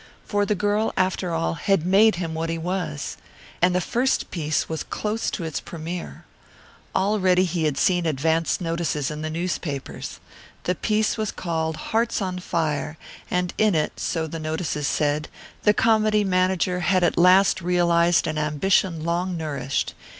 For the girl, after all, had made him what he was. And the first piece was close to its premiere. Already he had seen advance notices in the newspapers. The piece was called Hearts On Fire, and in it, so the notices said, the comedy manager had at last realized an ambition long nourished.